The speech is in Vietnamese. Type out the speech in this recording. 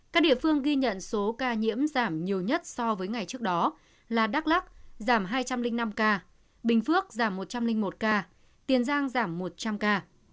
các địa phương ghi nhận số ca nhiễm giảm nhiều nhất so với ngày trước đó là đắk lắc giảm hai trăm linh năm ca bình phước giảm một trăm linh một ca tiền giang giảm một trăm linh ca